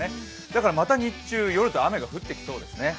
だからまた日中、夜と雨が降ってきそうですね。